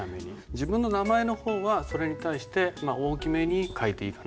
自分の名前の方はそれに対して大きめに書いていいかな。